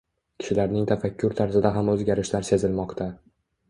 Kishilarning tafakkur tarzida ham o‘zgarishlar sezilmoqda…